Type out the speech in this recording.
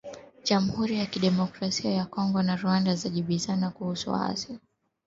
Jamuhuri ya Kidemokrasia ya Kongo na Rwanda zajibizana kuhusu waasi wa Vuguvugu la Ishirini na tatu